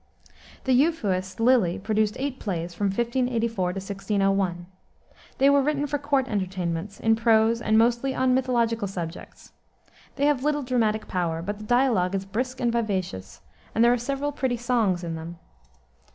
The Euphuist Lyly produced eight plays from 1584 to 1601. They were written for court entertainments, in prose and mostly on mythological subjects. They have little dramatic power, but the dialogue is brisk and vivacious, and there are several pretty songs in them.